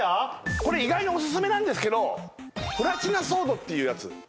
これ意外にオススメなんですけどプラチナソードっていうやつ